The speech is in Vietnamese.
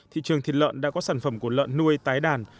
thị trường thịt lợn đã có sản phẩm của lợn nuôi tái đàn